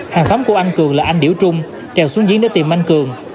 hàng xóm của anh cường là anh điểu trung trèo xuống giếng để tìm anh cường